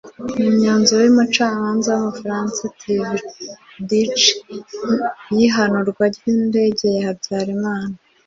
Ku myanzuro y’umucamanza w’umufaransa Trvidic y’ihanurwa rw’indege ya Habyarimana